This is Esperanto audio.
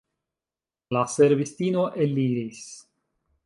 La servistino eliris.